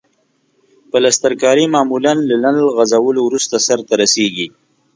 پلسترکاري معمولاً له نل غځولو وروسته سرته رسیږي.